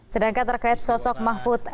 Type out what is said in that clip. sedangkan terkait sosok mahfud